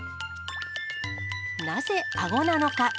なぜ、あごなのか。